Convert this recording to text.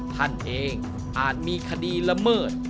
ท่านเองอาจมีคดีละเมิด